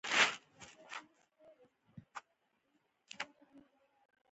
ته را وښیه چې څه ډول ویډیو ده؟